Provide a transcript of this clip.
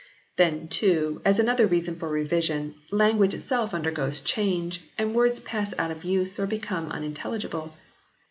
Then too, as another reason for revision, language itself undergoes change, and words pass out of use or become unintelligible.